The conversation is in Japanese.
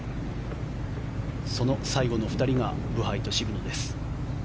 その最後の２人がブハイと渋野です。